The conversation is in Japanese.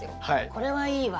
これはいいわ。